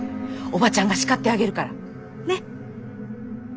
おばちゃんが叱ってあげるから。ね。